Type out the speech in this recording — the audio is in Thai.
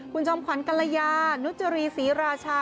คุณจอมขวัญกัลยานุจรีศรีราชา